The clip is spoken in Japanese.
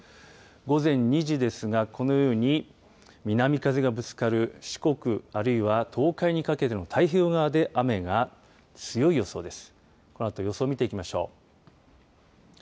午前２時ですが、このように南風がぶつかる四国、あるいは東海にかけての太平洋側で雨が強い予想です。